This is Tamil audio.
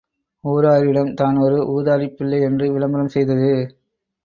ஊராரிடம் தான் ஒரு ஊதாரிப் பிள்ளை என்று விளம்பரம் செய்தது.